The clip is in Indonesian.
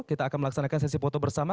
kita akan melaksanakan sesi foto bersama